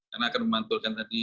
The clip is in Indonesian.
karena akan memantulkan tadi